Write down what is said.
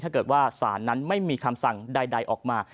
ถ้าเกิดว่าศาลนั้นไม่มีคำสั่งใดออกมา